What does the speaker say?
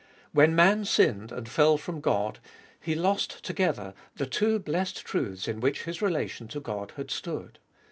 When man sinned and fell from God, he lost together the two blessed truths in which his relation to God had stood.